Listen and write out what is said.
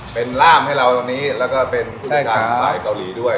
เป็นร่ามให้เราตรงนี้แล้วก็เป็นสงการขายเกาหลีด้วย